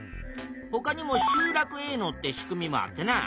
ほかにも集落営農って仕組みもあってな